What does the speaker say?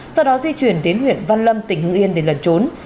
sau đó di chuyển đến huyện văn lâm tỉnh hưng yên để lần trốn